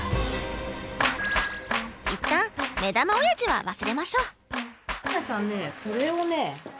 一旦目玉おやじは忘れましょう。